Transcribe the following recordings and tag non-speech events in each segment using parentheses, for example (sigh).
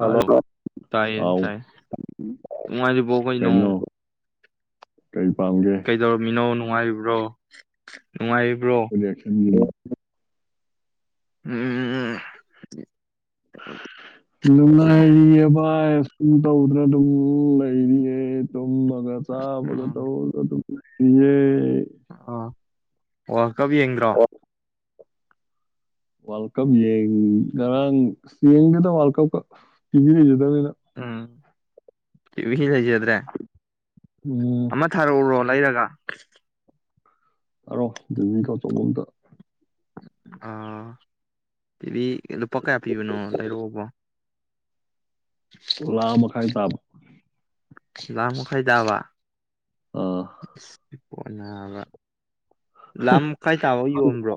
Hello ꯇꯥꯏꯌꯦ ꯑꯥꯎ ꯇꯥꯏ ꯅꯨꯡꯉꯥꯏꯔꯤꯕꯣ ꯀꯩꯅꯣ ꯀꯩ ꯄꯥꯝꯒꯦ ꯀꯩꯗꯧꯔꯃꯤꯅꯣ ꯅꯨꯡꯉꯥꯏꯔꯤ ꯔꯣ ꯀꯣꯂꯦꯖ ꯍꯜꯂꯤꯔꯣ ꯎꯝ ꯅꯨꯡꯉꯥꯏꯔꯤ ꯑꯦ ꯕꯥꯏ ꯇꯧꯗꯅ ꯑꯗꯨꯝ ꯂꯩꯔꯤꯌꯦ ꯇꯨꯝꯕꯒ ꯆꯥꯕꯒ ꯇꯧꯔꯒ ꯑꯗꯨꯝ (unintelligible) ꯑꯥ ꯑꯥ ꯀꯞ ꯌꯦꯡꯗꯔꯣ ꯋꯥꯔꯜ ꯀꯞ ꯌꯦꯡ ꯉꯔꯥꯡ ꯌꯦꯡꯗꯦꯗ ꯋꯥ꯭ꯔꯜ ꯀꯞ ꯇꯤꯕꯤ ꯂꯩꯖꯗꯕꯅꯤꯅ ꯎꯝ ꯇꯤꯚꯤ ꯂꯩꯖꯗ꯭ꯔꯦ ꯎꯝ ꯑꯃ ꯊꯥꯔꯛꯎꯔꯣ ꯂꯩꯔꯒ (inaudible) ꯑꯔꯣꯞ ꯂꯤꯃꯤ ꯀꯆꯧꯒꯨꯝꯗ ꯑꯥ ꯄꯤꯕꯤ ꯂꯨꯄꯥ ꯀꯌꯥ ꯄꯤꯕꯅꯣ ꯂꯩꯔꯛꯑꯣꯀꯣ ꯑꯣ ꯂꯥꯛ ꯑꯃ ꯃꯈꯥꯏ ꯇꯥꯕ ꯂꯥꯛ ꯑꯃ ꯃꯈꯥꯏ ꯇꯥꯕ ꯑꯥ (inaudible) ꯑꯣ ꯅꯥꯕ ꯂꯥꯛ ꯑꯃ ꯃꯈꯥꯏ ꯇꯥꯕꯕꯨ ꯌꯣꯟꯕ꯭ꯔꯣ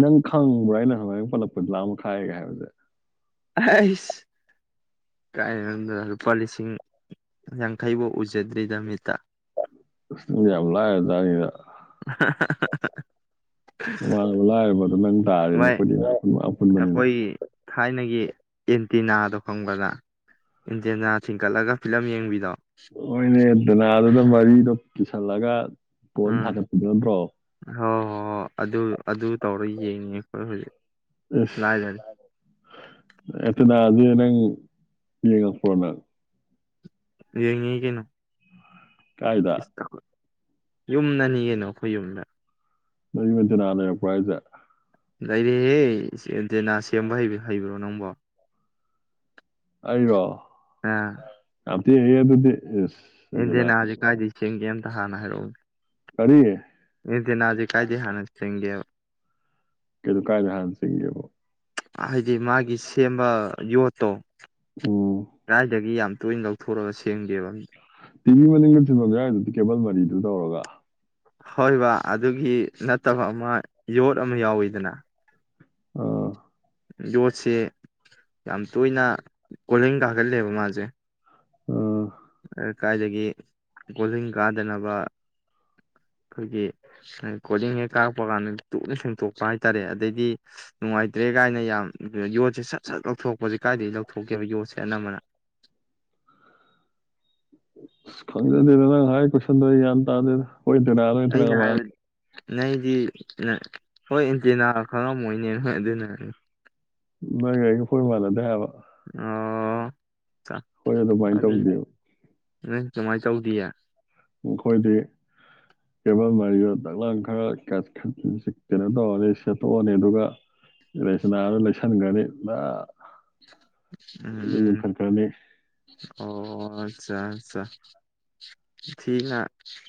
ꯅꯪ ꯈꯪꯕ꯭ꯔꯥ ꯑꯩꯅ ꯍꯪꯃꯥꯏ ꯄꯜꯂꯛꯄꯗꯨ ꯂꯥꯛ ꯑꯃ ꯃꯈꯥꯏꯒꯦ ꯍꯥꯏꯕꯁꯦ ꯑꯩꯁ ꯀꯥꯏꯅꯣꯗ ꯂꯨꯄꯥ ꯂꯤꯁꯤꯡ ꯌꯥꯡꯈꯩꯐꯧ ꯎꯖꯗ꯭ꯔꯤꯗ ꯃꯤꯠꯇ ꯑꯁ ꯅꯣꯢꯗꯤ ꯌꯥꯝ ꯂꯥꯢꯔꯖꯥꯠꯅꯤꯅ ꯃꯃꯥꯟꯅꯕ ꯂꯥꯏꯔꯕꯗꯣ ꯅꯪ ꯇꯥꯔꯦ ꯅꯦ ꯚꯥꯏ ꯑꯩꯈꯣꯏꯗꯤ ꯑꯄꯨ ꯑꯄꯨꯟꯕꯅꯤꯅ ꯑꯩꯈꯣꯏꯒꯤ ꯊꯥꯏꯅꯒꯤ ꯑꯦꯟꯇꯤꯅꯥꯗꯣ ꯈꯪꯕꯗ ꯑꯦꯟꯇꯤꯅꯥ ꯁꯤꯡꯀꯠꯂꯒ ꯐꯤꯂꯝ ꯌꯦꯡꯕꯤꯗꯣ ꯍꯣꯢꯅꯦ ꯗꯥꯅꯗꯨꯗꯝ ꯃꯔꯤꯗꯣ ꯀꯤꯁꯜꯂꯒ ꯄꯣꯟ ꯎꯝ ꯊꯥꯗꯕꯤꯗꯣ ꯅꯠꯇ꯭ꯔꯣ ꯍꯣꯏ ꯍꯣꯏ ꯍꯣꯏ ꯑꯗꯨ ꯑꯗꯨ ꯇꯧꯔ ꯌꯦꯡꯉꯦ ꯑꯩꯈꯣꯏ ꯍꯧꯖꯤꯛ ꯂꯥꯏꯔꯔꯦ ꯏꯁ ꯂꯥꯢꯕꯨ ꯅꯍꯥꯟꯗꯨ ꯅꯪ ꯌꯦꯡꯉꯛꯄ꯭ꯔꯣꯅ ꯌꯦꯡꯉꯤ ꯀꯩꯅꯣ ꯀꯥꯏꯗ ꯏꯁꯇꯥꯃ ꯌꯨꯝꯅꯅꯤ ꯀꯩꯅꯣ ꯑꯩꯈꯣꯏ ꯌꯨꯝꯗ ꯅꯣꯏ ꯌꯨꯝꯗ ꯗꯇꯥ ꯂꯩꯔꯛꯄꯔꯣ ꯍꯥꯏꯁꯦ ꯂꯩꯔꯦꯌꯦ ꯁꯤ ꯑꯦꯟ ꯇꯦꯅꯥ ꯁꯦꯝꯕ ꯍꯩ ꯍꯩꯕ꯭ꯔꯣ ꯅꯪꯕꯣ ꯑꯩꯔꯣ ꯌꯥꯝ ꯌꯦꯡꯉꯤ ꯑꯗꯨꯗꯤ ꯏꯁ ꯗꯅꯥꯁꯦ ꯑꯦꯟꯗꯦꯅꯦꯁꯦ ꯀꯥꯏꯗꯩ ꯁꯦꯝꯒꯦꯝ ꯍꯥꯟꯅ ꯍꯥꯏꯔꯛꯎ ꯀꯔꯤ ꯑꯦꯟꯇꯦꯅꯥꯁꯦ ꯀꯥꯏꯗꯩ ꯍꯥꯟꯅ ꯆꯤꯡꯒꯦꯕ ꯀꯅꯨ ꯀꯥꯏꯗꯩ ꯍꯥꯟꯅ ꯁꯦꯝꯒꯦꯕꯣ ꯍꯥꯏꯗꯤ ꯃꯥꯒꯤ ꯁꯦꯝꯕ ꯌꯣꯠꯇꯣ ꯎꯝ ꯗꯥꯏꯗꯒꯤ ꯌꯥꯝ ꯂꯣꯏ ꯂꯧꯊꯣꯛꯔꯛꯑ ꯁꯦꯡꯒꯦꯕ ꯇꯤꯚꯤ ꯃꯅꯤꯡꯗ ꯊꯤꯟꯕꯝ ꯌꯥꯎꯏꯗꯨꯗꯤ ꯀꯦꯕꯜ ꯃꯔꯤꯗꯨ ꯇꯧꯔꯒ ꯍꯣꯏ ꯕꯥ ꯑꯗꯨꯒꯤ ꯅꯠꯇꯕ ꯑꯃ ꯌꯣꯠ ꯑꯃ ꯌꯥꯎꯋꯤꯗꯅ ꯑꯥ ꯌꯣꯠꯁꯦ ꯌꯥꯝ ꯇꯣꯏꯅ ꯀꯣꯂꯤꯡ ꯀꯥꯒꯜꯂꯦꯕ ꯃꯥꯁꯦ ꯑꯥ ꯑ ꯀꯥꯏꯗꯒꯤ ꯀꯣꯂꯤꯡ ꯀꯥꯗꯅꯕ ꯑꯩꯈꯣꯏꯒꯤ ꯁ ꯀꯣꯒꯤꯡ ꯍꯦꯛ ꯀꯥꯞꯄ ꯀꯥꯟꯗ ꯇꯨꯅ ꯁꯦꯡꯇꯣꯛ ꯄ ꯍꯥꯏꯇꯥꯔꯦ ꯑꯗꯩꯗꯤ ꯅꯨꯡꯉꯥꯏꯇ꯭ꯔꯦ ꯀꯥꯏꯅ ꯌꯥꯝ ꯌꯣꯠꯁꯦ ꯁꯠ ꯁꯟꯇꯨ꯭ꯔꯛ ꯊꯣꯛꯄꯁꯦ ꯀꯥꯏꯗꯒꯤ ꯂꯧꯊꯣꯛꯀꯦꯕ ꯌꯣꯠꯁꯦ ꯑꯅꯝꯕꯅ ꯏꯁ ꯈꯪꯖꯗꯦꯗ ꯅꯪ ꯍꯥꯏ ꯈ ꯆꯟꯗꯣ ꯑꯩ ꯒꯥ꯭ꯟꯇꯥꯗꯦꯗ ꯃꯣꯢ ꯑꯦꯟꯇꯤꯅꯗꯣ ꯑꯩꯅ ꯐꯅꯌꯥꯝ ꯋꯥꯡ ꯂꯩꯗꯤ ꯂ ꯅꯣꯏ ꯏꯟꯇꯤꯅꯥꯗꯣ ꯈꯪꯉꯝꯃꯣꯏꯅꯦ ꯍꯣꯏ ꯑꯗꯨꯅ ꯃꯥꯢ ꯒꯥꯔꯤꯗꯣ ꯑꯈꯣꯢꯒ ꯃꯥꯟꯅꯗꯦ ꯍꯥꯢꯕ ꯑꯣ ꯀ ꯑꯩꯈꯣꯏ ꯑꯗꯨꯃꯥꯏꯅ ꯑꯗꯨꯗꯤ ꯇꯧꯗꯦꯕ ꯅꯣꯏ ꯀꯃꯥꯏ ꯇꯧꯗꯤꯌꯦ ꯑꯈꯣꯢꯗꯤ ꯀꯦꯕꯜ ꯃꯔꯤꯗꯣ ꯗꯛ ꯂꯥꯎꯅ ꯈꯔꯥ ꯈꯠ ꯈꯠ ꯆ ꯀꯩꯅꯣ ꯇꯧꯔꯅꯤ ꯁꯦꯠꯇꯣꯑꯅꯤ ꯑꯗꯨꯒ ꯂꯩꯆꯅꯗꯣ ꯂꯩꯁꯟꯒ꯭ꯔꯅꯤ ꯗꯛ ꯎꯝ ꯑꯣ ꯑꯠꯆꯥ ꯑꯠꯆꯥ ꯊꯤꯅ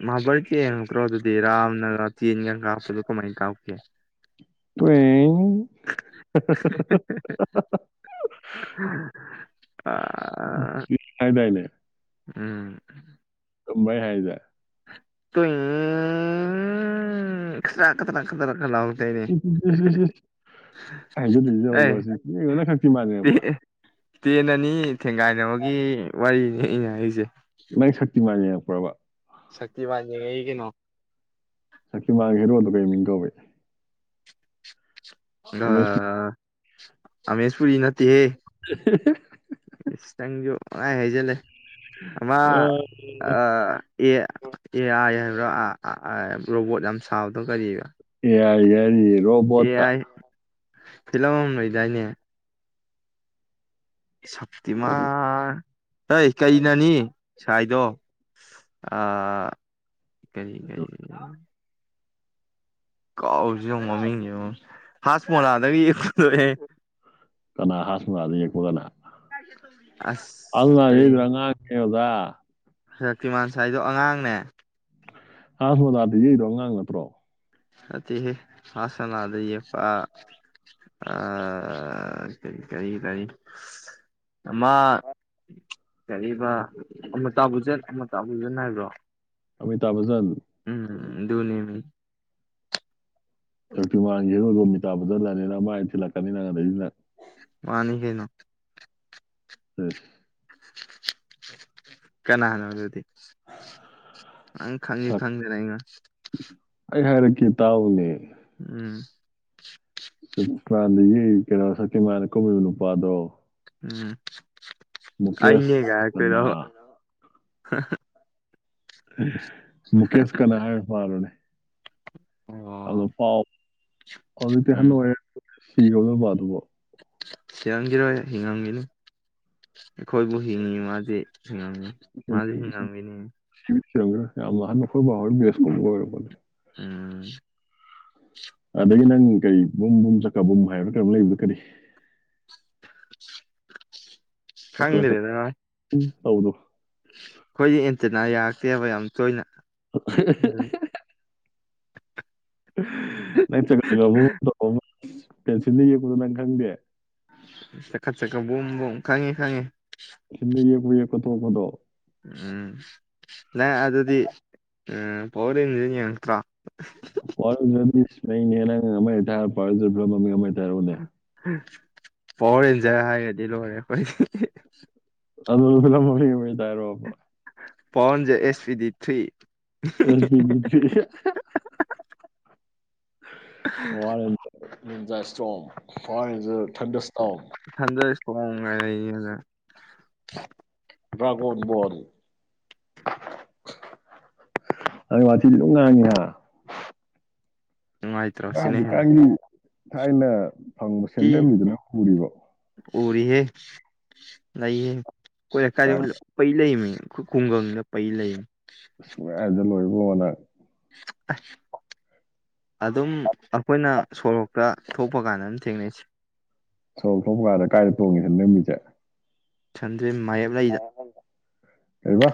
ꯃꯍꯥꯚꯥꯔꯠꯀꯤ ꯑꯝ ꯀꯅꯣꯗꯨꯗꯤ ꯔꯥꯝꯅ ꯔ ꯇꯦꯟꯒ ꯀꯥꯞꯄꯗꯣ ꯀꯃꯥꯢ ꯀꯥꯞꯀꯦ ꯄꯦꯡ ꯀꯔꯤ ꯑꯥ ꯍꯥꯏꯗꯥꯏꯅꯦ ꯎꯝ ꯆꯨꯝꯕ꯭ꯔꯥ ꯑꯩ ꯍꯥꯢꯖꯦ ꯇꯨꯏꯡꯏꯏꯏ ꯈꯇꯔꯥꯛ ꯈꯗ꯭ꯔꯥꯛ ꯈꯗꯔ ꯈ ꯂꯥꯎꯔꯛꯇꯣꯏꯅꯦ ꯏꯁ ꯏꯁ ꯍ ꯏꯁ ꯏꯁ ꯍꯥꯏꯖꯗꯣꯏꯁꯦ ꯍ ꯑꯩ ꯌꯦꯡꯉꯨꯀꯣ ꯁꯤ ꯌꯦꯡꯉꯣ ꯅꯪ ꯁꯛꯇꯤꯃꯥꯟ ꯑꯦ ꯌꯦꯡꯉꯛꯄ꯭ꯔꯥ ꯑꯦ ꯇꯦꯟ ꯑꯅꯤ ꯊꯦꯡꯒꯥꯏꯅꯕꯒꯤ ꯋꯥꯔꯤꯅꯤ ꯑꯩꯅ ꯍꯥꯢꯔꯤꯁꯦ ꯄ꯭ꯔꯕꯥ ꯁꯛꯇꯤꯃꯥꯟ ꯌꯦꯡꯉꯛꯏ ꯀꯩꯅꯣ ꯁꯛꯇꯤꯃꯥꯟꯒꯤ ꯍꯦꯔꯣꯗꯣ ꯀꯩꯃꯤꯡ ꯀꯧꯒꯦ (unintelligible) ꯑꯃꯃꯦꯁ ꯄꯨꯔꯤ ꯅꯠꯇꯦꯍꯦ ꯍꯤ ꯍꯤ ꯏꯁ ꯅꯪꯖꯨ ꯄꯪꯍꯥꯏ ꯍꯥꯢꯖꯜꯂꯦ ꯑꯃ ꯑ ꯑꯦ ꯑꯦ ꯑꯥꯢ ꯍꯥꯢ ꯔ ꯑ ꯑ ꯑ ꯔꯣꯕꯣꯠ ꯌꯥꯝ ꯁꯥꯕꯗꯣ ꯀꯔꯤꯕ ꯌꯥꯢ ꯌꯥꯢꯌꯦ ꯔꯣꯕꯣꯠꯇ ꯐꯤꯂꯝ ꯑꯃ ꯂꯩꯗꯥꯏꯅꯦ ꯀꯔꯤ ꯁꯛꯇꯤꯃꯥꯟ ꯑꯩ ꯀꯩꯅꯅꯤ ꯁꯥꯏꯗꯣ ꯑꯥ ꯀꯔꯤ ꯀꯔꯤ ꯀꯥꯎꯔꯤꯖꯦ ꯌꯦꯡꯉꯣ ꯃꯃꯤꯡꯖꯦꯉꯣ ꯀꯅꯥ ꯍꯥꯁ ꯃꯣꯂꯥꯗ ꯌꯦꯛꯄ ꯀꯅꯥ ꯑꯁ ꯑꯗꯨꯜꯅꯔꯤ ꯀꯩ ꯌꯦꯡ ꯑꯉꯥꯡ ꯌꯥꯎꯗ ꯁꯛꯇꯤꯃꯥꯟ ꯁꯥꯏꯗꯣ ꯑꯉꯥꯡꯅꯦ ꯍꯥ꯭ꯖ ꯃꯣꯂꯥ ꯄꯤꯕꯤꯔꯤꯗꯣ ꯑꯉꯥꯡ ꯅꯠꯇ꯭ꯔꯣ ꯅꯠꯇꯦꯍꯦ ꯍꯥꯖ ꯁꯅꯥꯗ ꯌꯦꯛꯄ ꯑꯥ ꯀꯔꯤ ꯀꯔꯤ ꯀꯔꯤ ꯑꯃ ꯀꯔꯤꯕ ꯑꯃꯇꯥꯕꯨꯆꯟ ꯑꯃꯇꯥꯕꯨꯆꯟ ꯍꯥꯏꯕ꯭ꯔꯣ ꯑꯃꯤꯇꯥꯕꯖꯟ ꯎꯝ ꯗꯨꯅꯦꯃꯤ ꯁꯛꯇꯤꯃꯥꯟ ꯍꯦꯔꯣꯗꯣ ꯇꯥꯕꯖꯟꯂꯅꯦ ꯅꯃꯥꯏꯗ ꯊꯤꯜꯂꯛꯀꯅꯤ ꯅꯪ ꯑꯗꯩꯗꯤ ꯅꯪ ꯃꯥꯅꯤ ꯀꯩꯅꯣ ꯏꯁ ꯀꯅꯥꯅꯣ ꯗꯨꯗꯤ ꯑꯪ ꯈꯪꯢ ꯁꯛ ꯈꯪꯗꯅ ꯑꯩꯉ ꯀꯦ ꯇꯥꯎꯅꯦ ꯆꯨꯀ꯭ꯔꯥꯟꯗ ꯌꯦꯛꯢ ꯀꯩꯅꯣ ꯁꯛꯇꯤꯃꯥꯟꯗ ꯀꯨꯝꯃꯤꯕ ꯅꯨꯄꯥꯗꯣ ꯎꯝ ꯃꯨꯀꯦꯁ ꯕꯟꯗꯅꯥ ꯍ ꯍ ꯃꯨꯀꯦꯁ ꯀꯅꯥ ꯍꯥꯏ ꯃꯥꯜꯂꯨꯅꯦ (inaudible) ꯑꯗꯣ ꯑꯣ ꯄꯥꯎ ꯍꯧꯖꯤꯛꯇꯤ ꯑꯍꯟ ꯎꯝ ꯑꯣꯏꯔꯦ ꯁꯤꯒꯥꯔꯕꯣ ꯑꯗꯨꯏ ꯅꯨꯄꯥꯗꯨꯕꯣ ꯁꯤꯔꯝꯒꯤꯔꯣꯏ ꯍꯦ ꯍꯤꯡꯉꯝꯒꯤꯅꯤ ꯑꯩꯈꯣꯏꯕꯨ ꯍꯤꯡꯉꯤ ꯃꯥꯗꯤ ꯍꯤꯡꯉꯝꯅꯤ ꯃꯥꯗꯤ ꯍꯤꯡꯉꯝꯒꯤꯅꯤ (unintelligible) ꯎꯝ ꯑꯗꯒꯤ ꯅꯪ ꯀꯔꯤ ꯕꯨꯝꯕꯨꯝ ꯆꯀꯥꯕꯨꯝ ꯍꯥꯏꯕ꯭ꯔꯥ ꯀꯩꯅꯣꯝ ꯂꯩꯕꯗꯣ ꯀꯔꯤ (inaudible) ꯆꯀ꯭ꯔ ꯈꯪꯗꯦꯗꯅ ꯆꯀ꯭ꯔ ꯇꯧꯕꯗꯣ ꯑꯩꯈꯣꯏꯗꯤ ꯑꯦꯟꯇꯅꯥ ꯌꯥꯔꯛꯇꯦꯕ ꯌꯥꯝ ꯇꯣꯏꯅ (unintelligible) (unintelligible) (unintelligible) ꯄꯦꯟꯁꯤꯜꯅ ꯌꯦꯛꯄꯗꯣ ꯅꯪ ꯈꯪꯗꯦ ꯁꯦꯀꯥ ꯁꯦꯀꯥ ꯕꯨꯡ ꯕꯨꯡ꯫ ꯈꯪꯉꯦ ꯈꯪꯉꯦ (unintelligible) ꯃꯤ ꯀꯣꯠꯊꯣꯛꯄꯗꯣ ꯎꯝ ꯂ ꯑꯗꯨꯗꯤ ꯎ ꯄꯥꯎꯋ꯭ꯔ ꯔꯦꯟꯖꯔ ꯌꯦꯡꯉꯛꯇ꯭ꯔꯣ (unintelligible) (unintelligible) ꯄꯥꯎꯋ꯭ꯔꯔꯦꯟꯖꯔ ꯍꯥꯏꯒꯔꯥꯗꯤ ꯂꯣꯏꯔꯦ ꯀꯥꯔꯤ (unintelligible) ꯄꯥꯎꯟꯖꯔ ꯑꯦꯁ ꯄꯤꯗꯤ ꯊꯨꯏꯔꯤ ꯑꯦꯁ ꯄꯤ ꯖꯤ ꯊ꯭ꯔꯤ (unintelligible) ꯅꯤꯟꯖꯥ ꯏꯁ꯭ꯇꯣꯝ ꯄꯋꯧꯔꯦꯟꯖꯔ ꯊꯟꯗꯤꯔ ꯏꯁ꯭ꯇꯣꯝ ꯊꯟꯗ ꯊꯣꯡ (inaudible) ꯗꯔꯥꯐꯒꯟ ꯕꯣꯟ ꯅꯪ ꯋꯥꯊꯤ ꯑꯗꯨꯝ ꯉꯥꯡꯉꯤꯍꯥ ꯅꯨꯡꯉꯥꯏꯇ꯭ꯔꯣ ꯁꯤꯅꯍꯦꯟꯅ ꯊꯥꯏꯅ ꯐꯪꯕ ꯁꯟꯗ꯭ꯔꯦꯝꯕꯤꯗꯣ ꯅꯪ ꯎꯔꯤꯕꯣ ꯎꯔꯤꯌꯦ ꯂꯩꯏꯌꯦ ꯀꯣꯏ ꯂꯩꯀꯥꯏ ꯀꯥꯏꯅ ꯄꯩ ꯂꯩꯃꯤ ꯈꯣꯢ ꯈꯨꯡꯒꯪꯗ ꯄꯩ ꯂꯩꯝ ꯑꯁ (unintelligible) ꯑꯁ ꯑꯗꯨꯝ ꯑꯩꯈꯣꯏꯅ ꯁꯣꯔꯣꯛꯇ ꯊꯣꯛꯄ ꯀꯥꯟꯗ ꯑꯗꯨꯝ ꯊꯦꯡꯅꯩꯁꯦ ꯁꯣꯔꯣꯛ ꯊꯣꯛꯕ ꯀꯥꯟꯗ ꯀꯥꯏꯗ ꯇꯣꯡꯉꯤꯁꯤꯅ ꯅꯃꯤꯁꯦ (inaudible) ꯖꯤꯟ ꯃꯥꯌꯦꯞ ꯂꯩꯗ ꯀꯩꯕ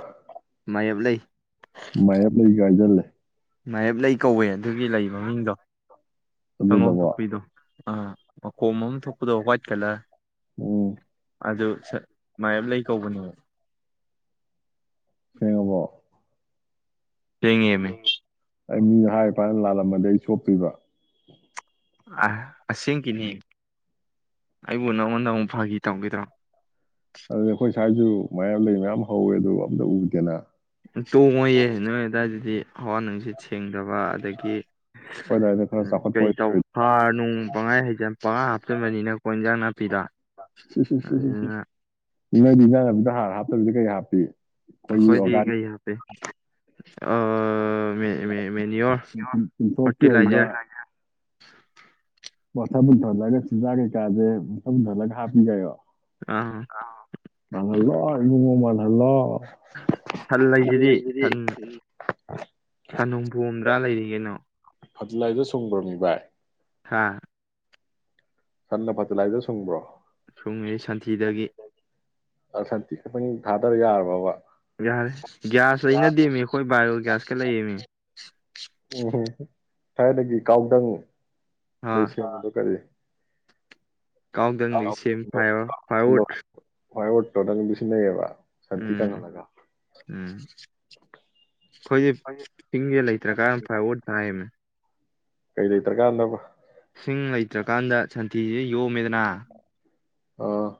ꯃꯥꯌꯦꯞ ꯂꯩ ꯃꯥꯌꯦꯞ ꯂꯩꯒꯥ ꯍꯥꯏꯖꯜ ꯂꯦ ꯃꯥꯌꯦꯞ ꯂꯩ ꯀꯧꯋꯦ ꯑꯗꯨꯒꯤ ꯂꯩ ꯃ ꯃꯤꯡꯗꯣ ꯁꯪꯒꯣꯝ ꯑꯗꯨꯗꯕꯣ ꯊꯣꯛꯄꯤꯗꯣ ꯑ ꯃꯈꯣꯝꯑꯝ ꯊꯣꯛ ꯗꯣ ꯋꯥ꯭ꯋꯥꯏꯠ ꯀꯂꯔ ꯎꯝ ꯑꯗꯨ ꯁ ꯃꯌꯦꯞ ꯂꯩ ꯀꯧꯕꯅꯦ ꯁꯦꯡꯉꯕꯣ ꯁꯦꯡꯉꯦꯃꯦ ꯑꯩ ꯃꯤ ꯍꯥꯏ ꯐꯅ ꯂꯥꯜꯂꯝꯃꯗꯤ ꯑꯩ ꯆꯣꯞꯇꯣꯏꯕ ꯑ ꯑꯁꯦꯡ ꯀꯤꯅꯦ ꯑꯩꯕꯨ ꯅꯪꯉꯣꯟꯗ ꯑꯃꯨꯛ ꯐꯥꯒꯤ ꯇꯧꯒꯤꯗ꯭ꯔꯣ ꯑꯗꯨꯗꯤ ꯑꯩꯈꯣꯏ ꯁ꯭ꯋꯥꯏꯖꯨ ꯃꯌꯥꯝ ꯂꯩ ꯃꯌꯥꯝ ꯍꯧꯋꯦ ꯑꯗꯨ ꯑꯝꯇ ꯎꯗꯦꯅ ꯇꯣꯡꯉꯣꯌꯦ ꯅꯣꯏ ꯑꯗꯨꯋꯥꯏꯗꯗꯤ ꯍꯋꯥ ꯅꯨꯡꯁꯤ ꯁꯦꯡꯗꯦ (inaudible) ꯑꯩꯈꯣꯏ ꯈꯔ ꯆꯥꯎꯈꯠꯄ ꯑꯣꯏ (unintelligible) ꯀꯩꯍꯥꯞꯄꯤ ꯈꯣꯏꯗꯤ (unintelligible) ꯑꯥ ꯃꯦꯅꯤꯌꯣꯔ ꯐꯔꯇꯤꯂꯥꯏꯖꯔ (unintelligible) (unintelligible) ꯑꯥ (unintelligible) ꯍꯂꯣ ꯁꯟ ꯂꯩꯁꯤꯗꯤ ꯁꯟ ꯁꯟ ꯅꯣꯡꯐꯨ ꯑꯝ ꯄꯨꯔꯥ ꯂꯩꯔꯤ ꯀꯩꯅꯣ ꯐꯠꯇꯂꯥꯏꯗꯣ ꯁꯨꯡꯕ꯭ꯔꯥꯃꯤ ꯚꯥꯏ ꯍꯥꯥ ꯁꯟꯅ ꯐꯠꯇꯤꯂꯥꯏꯖꯔ ꯁꯨꯡꯕ꯭ꯔꯣ ꯁꯨꯡꯉꯤ ꯁꯟꯊꯤꯗꯒꯤ ꯁꯟꯊꯤ ꯈꯇꯡ ꯊꯥꯗꯥꯔꯥ ꯌꯥꯔꯕꯕ ꯌꯥꯔꯦ ꯒ꯭ꯌꯥꯁ ꯂꯩꯅꯗꯦꯃꯤ ꯑꯩꯈꯣꯏ ꯕꯥꯏꯑꯣꯒ꯭ꯌꯥꯁꯀ ꯂꯩꯌꯦꯃꯤ ꯎꯝ ꯊꯥꯏꯅꯒꯤ ꯀꯥꯎꯗꯪ ꯑ (unintelligible) ꯀꯥꯎꯗꯪꯗꯤ ꯁꯦꯝ ꯐꯥꯏꯔꯣ ꯐꯥꯏꯌꯔꯋꯨꯠ ꯍꯣꯏ ꯑꯣꯔꯇꯣꯗꯪ ꯁꯤꯟꯅꯩꯌꯦꯕ ꯎꯝ ꯎꯝ ꯑꯩꯈꯣꯏꯗꯤ ꯄꯤꯡꯌꯦ ꯂꯩꯇ꯭ꯔꯥ ꯀꯥꯟꯗ ꯐ ꯑꯣꯠ ꯍꯥꯏꯕꯅꯦ ꯀꯩ ꯂꯩꯇ꯭ꯔꯥ ꯀꯥꯟꯗꯕ ꯁꯤꯡ ꯂꯩꯇ꯭ꯔꯀꯥꯟꯗ ꯁꯟꯊꯤꯁꯤ ꯌꯣꯝꯃꯦꯗ ꯅꯥ ꯑꯥ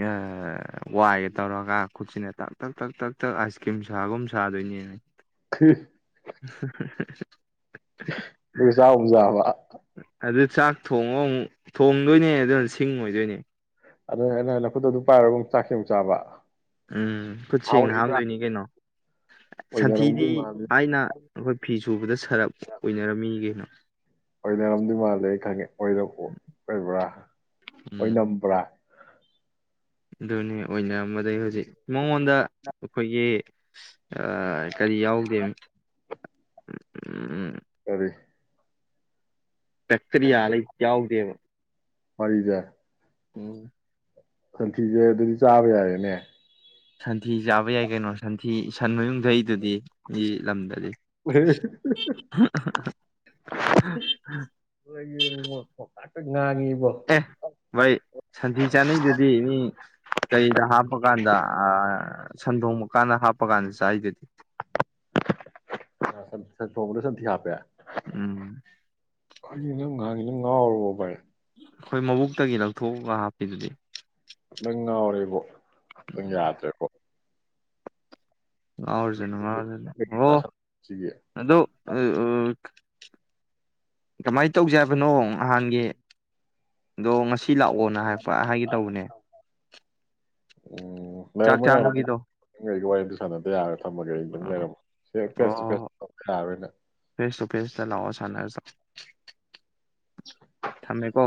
ꯌꯥ ꯑ ꯋꯥꯏꯒ ꯇꯧꯔꯒ ꯈꯨꯠꯁꯤꯅ ꯇꯥꯛ ꯇꯛ ꯇꯛ ꯇꯛ ꯇꯛ ꯑꯥꯏꯁ ꯀ꯭ꯔꯤꯝ ꯁꯥꯒꯨꯝ ꯁꯥꯗꯣꯏꯅꯦꯅꯦ ꯍꯍꯍꯍ ꯑꯗꯨ ꯆꯥꯒꯨꯝꯖꯦ ꯍꯥꯢꯕ ꯑꯗꯨ ꯆꯥꯛ ꯊꯣꯡꯉꯣ ꯑꯃꯨꯛ ꯊꯣꯡꯗꯣꯏꯅꯦ ꯑꯗꯨꯅ ꯁꯤꯡ ꯑꯣꯏꯗꯣꯏꯅꯦ ꯑꯗꯨꯅ ꯑꯩꯅ ꯂꯐꯨꯠꯇ ꯑꯗꯨ ꯆꯔꯒꯨꯝ ꯑꯃꯨꯛ ꯆꯥꯛꯁꯦ ꯑꯃꯨꯛ ꯆꯥꯕ ꯎꯝ ꯈꯨꯠ ꯍꯥꯎꯅ ꯁꯦꯡꯅ ꯏꯕ꯭ꯔꯥ ꯍꯥꯝꯗꯣꯏꯅꯤ ꯀꯩꯅꯣ ꯁꯟꯊꯤꯗꯤ ꯑꯣꯏꯅꯔꯝꯗꯣꯏ ꯃꯥꯜꯂꯤ ꯊꯥꯏꯅ ꯑꯩꯈꯣꯏ ꯐꯤ ꯁꯨꯕꯗ ꯁꯔꯞ ꯑꯣꯏꯅꯔꯝꯃꯤꯅꯤ ꯀꯩꯅꯣ ꯑꯣꯏꯅꯔꯝꯗꯣꯏ ꯃꯥꯜꯂꯦ ꯑꯩ ꯈꯪꯉꯦ ꯑꯣꯏꯔꯝ ꯑꯣꯏꯕ꯭ꯔꯥ ꯑꯣꯏ ꯎꯝ ꯅꯝꯕ꯭ꯔꯥ ꯑꯗꯨꯅꯤ ꯑꯣꯏꯅꯔꯝꯕꯗꯩ ꯍꯧꯖꯤꯛ ꯃꯉꯣꯟꯗ ꯑꯩꯈꯣꯏꯒꯤ ꯑ ꯀꯔꯤ ꯌꯥꯎꯗꯦ ꯎꯝ ꯎꯝ ꯀꯔꯤ ꯄꯦꯛꯇꯔꯤꯌꯥ ꯂꯩꯩ ꯌꯥꯎꯗꯦꯅ ꯃꯔꯤꯗ ꯎꯝ ꯁꯟꯊꯤꯁꯦ ꯑꯗꯨꯗꯤ ꯆꯥꯕ ꯌꯥꯔꯦꯅꯦ ꯁꯟꯊꯤ ꯆꯥꯕ ꯌꯥꯏ ꯀꯩꯅꯣ ꯁꯟꯊꯤ ꯁꯟ ꯃꯌꯨꯡꯊꯛꯏꯗꯨꯗꯤ ꯃꯤ ꯂꯝꯗꯗꯤ (unintelligible) ꯇ ꯉꯥꯡꯒꯤ ꯑꯦ ꯃꯣꯏ ꯁꯟꯊꯤ ꯆꯥꯅꯩꯗꯨꯗꯤ ꯃꯤ ꯂꯩꯗ ꯍꯥꯞꯄ ꯀꯥꯟꯗ ꯑꯥ ꯁꯟꯊꯣꯡꯕ ꯀꯥꯟꯗ ꯍꯥꯞꯄ ꯀꯥꯟꯗ ꯆꯔꯤꯗꯨꯗꯤ ꯁꯅ ꯊꯣꯡꯕꯗ ꯁꯟꯊꯤ ꯍꯥꯞꯄꯦ ꯎꯝ ꯀꯔꯤꯅꯣ ꯅꯪ ꯉꯥꯡꯉꯤꯗꯣ ꯉꯥꯎꯔꯕꯣ ꯕꯥ ꯑꯩꯈꯣꯏ ꯃꯕꯨꯛꯇꯒꯤ ꯂꯧꯊꯣꯛꯑꯒ ꯍꯥꯞꯄꯤꯗꯨꯗꯤ ꯄꯨꯟ ꯎꯝ ꯌꯥꯗ꯭ꯔꯦꯕꯣ ꯉꯥꯎꯔꯖꯅꯣ ꯉꯥꯎꯔꯖꯅꯣ ꯑꯣ ꯁꯤꯒꯤ ꯑꯗꯣ ꯑ ꯑ ꯀꯃꯥꯏꯅ ꯇꯧꯁꯦ ꯍꯥꯏꯕꯅꯣ ꯅꯍꯥꯟꯒꯤ ꯑꯗꯣ ꯉꯁꯤ ꯂꯥꯛꯑꯣꯅ ꯍꯥꯏ ꯍꯥꯏꯒꯦ ꯇꯧꯕꯅꯦ ꯎꯝ ꯆꯥꯛ ꯂꯩꯔꯝꯃꯣ ꯌꯥꯔꯦ ꯅꯪ ꯆꯥꯕꯒꯤꯗꯣ ꯋꯥꯔꯤ ꯁꯥꯟꯗꯦ ꯌꯥꯔꯦ (inaudible) ꯊꯝꯃꯒꯦ ꯑꯩ ꯅꯪ ꯂꯩꯔꯝꯃꯣ ꯐꯦꯁ ꯇꯨ ꯐꯦꯁ ꯑꯣ ꯇꯧꯈꯥꯏꯔꯅꯦ ꯐꯦꯁ ꯇꯨ ꯐꯦꯁꯇ ꯂꯥꯛꯑꯣ ꯁꯥꯟꯅꯔꯁꯤ ꯊꯝꯃꯦꯀꯣ